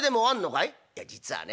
「いや実はね